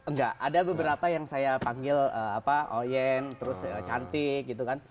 enggak ada beberapa yang saya panggil oyen terus cantik gitu kan